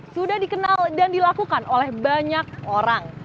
sudah dikenal dan dilakukan oleh banyak orang